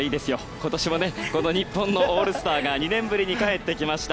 今年、日本のオールスターゲームが２年ぶりに帰ってきました。